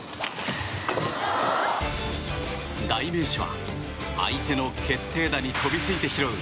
代名詞は相手の決定打に飛びついて拾う